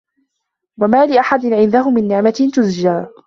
وَما لِأَحَدٍ عِندَهُ مِن نِعمَةٍ تُجزى